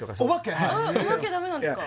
おばけダメなんですか？